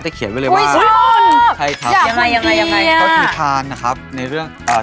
เคยเขียนไว้เลยว่าใช่ครับโอเอ้ยชอบ